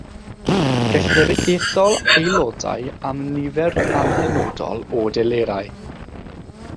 Gellir ethol aelodau am nifer amhenodol o delerau.